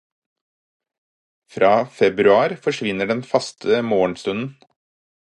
Fra februar forsvinner den faste morgenstunden.